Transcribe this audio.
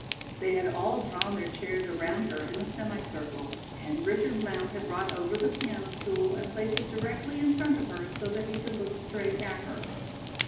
They had all drawn their chairs around her in a semicircle, and Richard Blount had brought over the piano stool and placed it directly in front of her so that he could look straight at her.